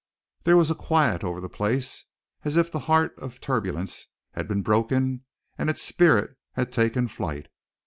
There was a quiet over the place, as if the heart of turbulence had been broken and its spirit had taken flight.